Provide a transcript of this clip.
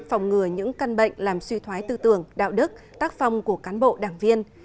phòng ngừa những căn bệnh làm suy thoái tư tưởng đạo đức tác phong của cán bộ đảng viên